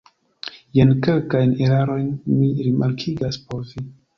Jen kelkajn erarojn mi remarkigas por vi.